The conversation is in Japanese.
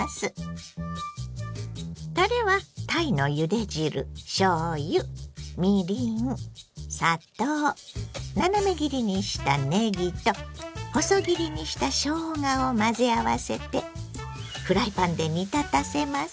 たれはたいのゆで汁しょうゆみりん砂糖斜め切りにしたねぎと細切りにしたしょうがを混ぜ合わせてフライパンで煮立たせます。